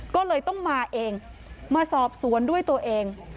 ก็เลยต้องมาเองมาสอบสวนด้วยตัวเอง